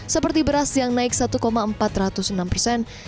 seperti beras yang naik satu empat ratus enam persen